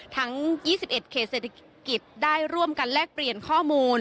ทั้ง๒๑เขตเศรษฐกิจได้ร่วมกันแลกเปลี่ยนข้อมูล